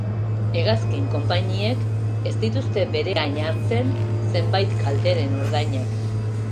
Hegazkin-konpainiek ez dituzte bere gain hartzen zenbait kalteren ordainak.